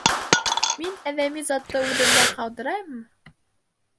Мин әҙәми затты үҙемдә ҡалдырайыммы?